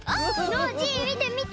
ノージーみてみて！